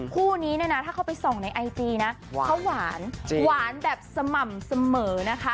คู่นี้เนี่ยนะถ้าเขาไปส่องในไอจีนะเขาหวานหวานแบบสม่ำเสมอนะคะ